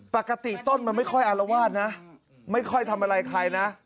ปกติต้นมันไม่ค่อยอารวาสนะไม่ค่อยทำอะไรใครนะ